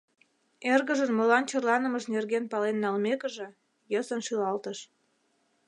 — Эргыжын молан черланымыж нерген пален налмекыже, йӧсын шӱлалтыш.